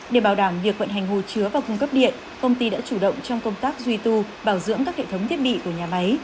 để bảo đảm việc vận hành hồ chứa và cung cấp điện công ty đã chủ động trong công tác duy tu bảo dưỡng các hệ thống thiết bị của nhà máy